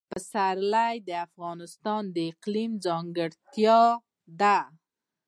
پسرلی د افغانستان د اقلیم ځانګړتیا ده.